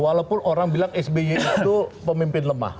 walaupun orang bilang sby itu pemimpin lemah